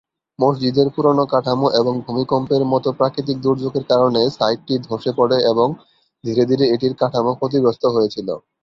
মসজিদের পুরোনো কাঠামো এবং ভূমিকম্পের মতো প্রাকৃতিক দুর্যোগের কারণে সাইটটি ধসে পড়ে এবং ধীরে ধীরে এটির কাঠামো ক্ষতিগ্রস্ত হয়েছিল।